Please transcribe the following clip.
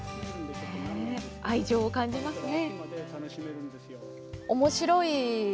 愛情を感じますね。